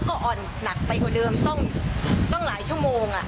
ก็อ่อนหนักไปกว่าเดิมต้องหลายชั่วโมง